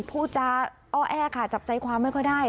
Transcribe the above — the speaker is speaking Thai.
พูดจาอ้อแอค่ะจับใจความไม่ค่อยได้